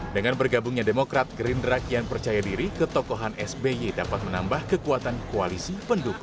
dengan bergabungnya demokrat gerindra kian percaya diri ketokohan sby dapat menambah kekuatan koalisi pendukung